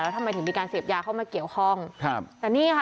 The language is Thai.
ทำไมถึงมีการเสพยาเข้ามาเกี่ยวข้องครับแต่นี่ค่ะ